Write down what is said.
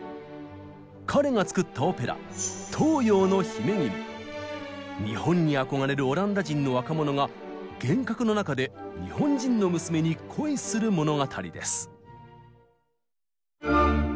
彼が作った日本に憧れるオランダ人の若者が幻覚の中で日本人の娘に恋する物語です。